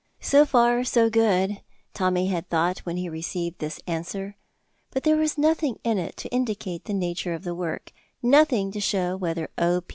So far good, Tommy had thought when he received this answer, but there was nothing in it to indicate the nature of the work, nothing to show whether O.